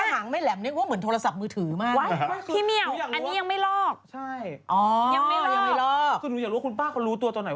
เห็นไหมล่ะมันสักเกินออกมามีแบบว่าสักเกินแบบตกท้องช่าง